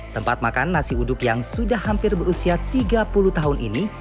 tempat makan nasi uduk yang sudah hampir berusia tiga puluh tahun ini